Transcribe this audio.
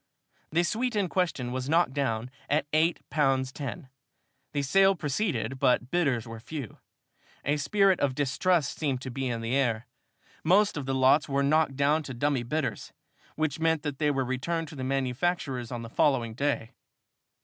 The suite in question was knocked down at eight pounds ten. The sale proceeded, but bidders were few. A spirit of distrust seemed to be in the air. Most of the lots were knocked down to dummy bidders, which meant that they were returned to the manufacturers on the following day.